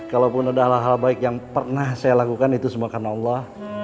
kalaupun ada hal hal baik yang pernah saya lakukan itu semua karena allah